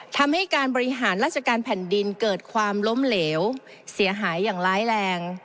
ทำให้การบริหารราชการแผ่นดินเกิดความล้มเหลวเสียหายอย่างร้ายแรง